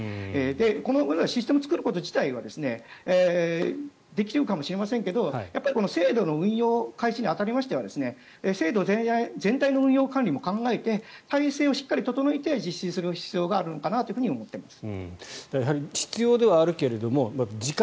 このシステムを作ること自体はできるかもしれませんが制度の運用開始に当たりましては制度全体の運用管理も考えて体制をしっかり整えて実施する必要があるのかなと思っています。